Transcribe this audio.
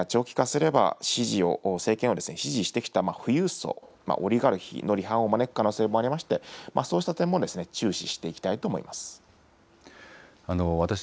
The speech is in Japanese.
経済制裁が長期化すれば政権は支持を、政権を支持してきた富裕層・オリガルヒの離反を招く可能性もありまして、そうした点も注視していきたいと思います。